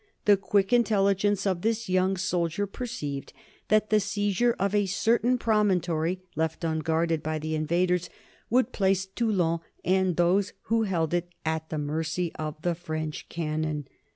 The quick intelligence of this young soldier perceived that the seizure of a certain promontory left unguarded by the invaders would place Toulon and those who had held it at the mercy of the French cannon.